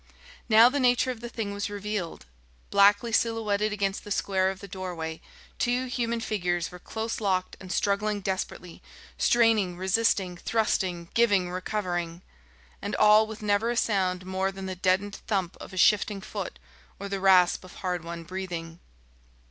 Now the nature of the thing was revealed. Blackly silhouetted against the square of the doorway two human figures were close locked and struggling desperately, straining, resisting, thrusting, giving, recovering ... and all with never a sound more than the deadened thump of a shifting foot or the rasp of hard won breathing.